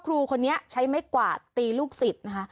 ครูคนนี้ใช้ไม่กว่าตีลูกศิษย์